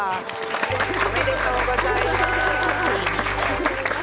おめでとうございます。